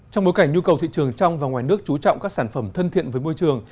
trong bối cảnh nhu cầu thị trường trong và ngoài nước chú trọng các sản phẩm thân thiện với môi trường